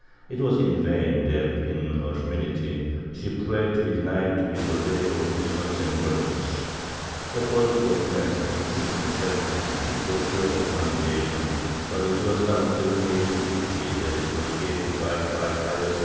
It was in vain that, in her humility, she prayed to be denied the favor of visions and miracles. Efforts were commenced, in 1670, to procure her canoni zation, but it was not until 1850 that she was beatified by Pius IX.